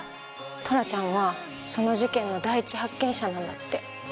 トラちゃんはその事件の第一発見者なんだって。